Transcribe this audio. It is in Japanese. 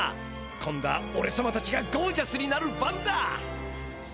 今度はおれさまたちがゴージャスになる番だ！